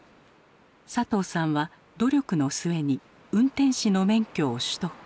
佐藤さんは努力の末に運転士の免許を取得。